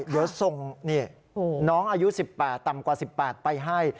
เดี๋ยวส่งน้องอายุ๑๘ต่ำกว่า๑๘ไปให้